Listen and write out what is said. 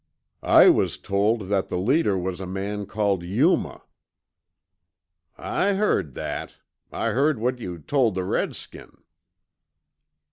"I was told that the leader was a man called 'Yuma.'" "I heard that. I heard what you told the redskin."